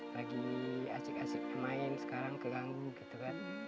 lagi asik asik main sekarang keganggu gitu kan